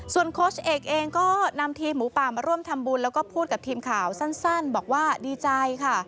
โค้ชเอกเองก็นำทีมหมูป่ามาร่วมทำบุญแล้วก็พูดกับทีมข่าวสั้นบอกว่าดีใจค่ะ